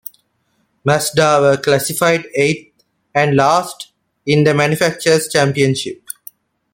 Mazda were classified eighth, and last, in the manufacturer's championship.